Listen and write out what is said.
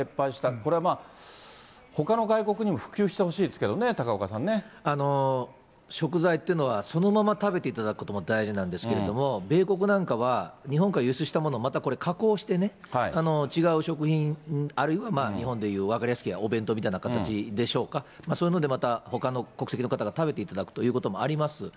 これはまあ、ほかの外国にも普及してほしいですけれどもね、高岡あの、食材というのはそのまま食べていただくことも大事なんですけれども、米国なんかは、日本から輸出したものをまたこれ、加工してね、違う食品、あるいはまあ、日本でいう、分かりやすく言うと、お弁当みたいな形でしょうか、そういうのでまたほかの国籍の方が食べていただくということもあります。